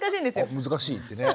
「あ難しい」ってね。